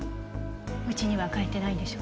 うちには帰ってないんでしょ？